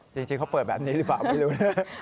จริงเขาเปิดแบบนี้หรือเปล่าไม่รู้นะ